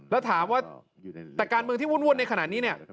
แล้วถามว่าแต่การเมืองที่วุ่นในขณะนี้เนี่ย